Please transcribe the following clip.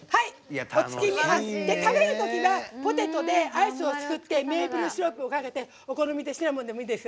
食べるときはポテトでアイスをすくってメイプルシロップをかけてお好みでシナモンでもいいです。